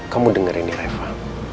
kamu dengerin nih reva